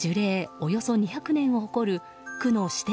およそ２００年を誇る区の指定